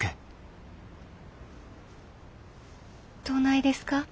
どないですか？